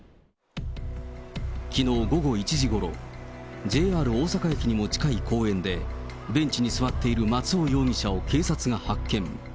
きのう午後１時ごろ、ＪＲ大阪駅にも近い公園で、ベンチに座っている松尾容疑者を警察が発見。